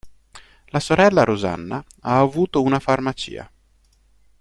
La sorella Rosanna ha avuto una farmacia.